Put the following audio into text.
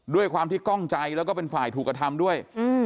ด้วยความที่กล้องใจแล้วก็เป็นฝ่ายถูกกระทำด้วย